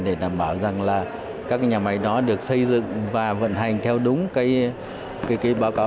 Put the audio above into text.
để đảm bảo rằng là các nhà máy đó được xây dựng và vận hành theo đúng cái báo cáo